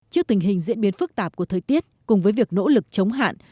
trước tình hình diễn biến phức tạp của thời tiết cùng với việc nỗ lực chống hạn